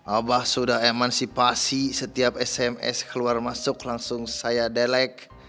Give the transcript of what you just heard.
abah sudah emansipasi setiap sms keluar masuk langsung saya delik